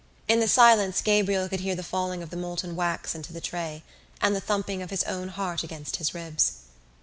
In the silence Gabriel could hear the falling of the molten wax into the tray and the thumping of his own heart against his ribs.